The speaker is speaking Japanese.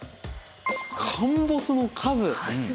陥没の数。